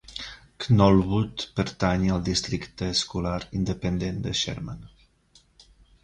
Knollwood pertany al districte escolar independent de Sherman.